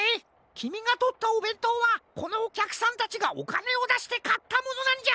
きみがとったおべんとうはこのおきゃくさんたちがおかねをだしてかったものなんじゃ。